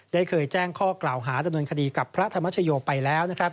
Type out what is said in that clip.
ได้เคยแจ้งข้อกล่าวหาดำเนินคดีกับพระธรรมชโยไปแล้ว